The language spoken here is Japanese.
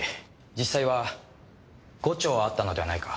実際は５丁あったのではないか。